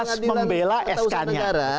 kalau pengadilan atau usaha negara